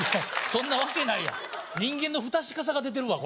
そんなわけないやん人間の不確かさが出てるわ